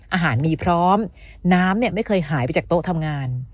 อาหารมีพร้อมน้ำเนี่ยไม่เคยหายไปจากโต๊ะทำงาน